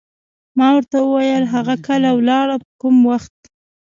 ما ورته وویل: هغه کله ولاړه، په کوم وخت؟